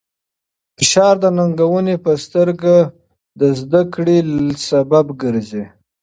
فشار د ننګونې په سترګه د زده کړې لامل ګرځي.